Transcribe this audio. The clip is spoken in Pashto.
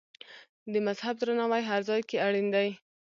د مذهب درناوی هر ځای کې اړین دی.